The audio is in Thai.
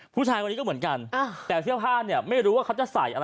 ผู้ชายคนนี้ก็เหมือนกันแต่เสื้อผ้าเนี่ยไม่รู้ว่าเขาจะใส่อะไร